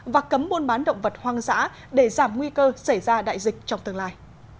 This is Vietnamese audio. và cấm buôn bán động vật hoang dã để giảm nguy cơ xảy ra đại dịch trong tương lai